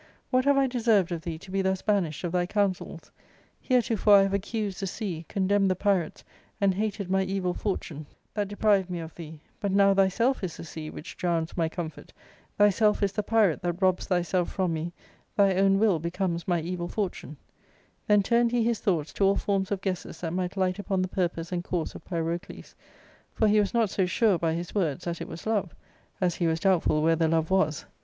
What have I deserved of thee to be thus banished of thy counsels ? Heretofore I have accused the sea, condemned the pirates, and hated my evil fortune that deprived me of thee ; but now thyself is the sea which drowns my comfort, thyself is the pir?^^ thr^t r^bs fhyspl^ froir* me, thy own wXi becomes my evil fortune." Then turned he his thoughts to all forms t)f guesses"~lhat might light upon the purpose and course of Pyrocles ; for he was not so sure, by his words, that it was love, as he was doubtful where the love was.